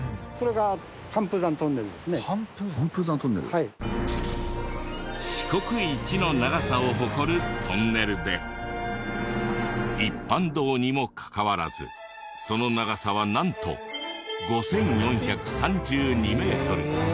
これが四国一の長さを誇るトンネルで一般道にもかかわらずその長さはなんと５４３２メートル。